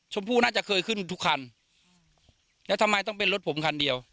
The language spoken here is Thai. ผู้น่าจะเคยขึ้นทุกคันแล้วทำไมต้องเป็นรถผมคันเดียว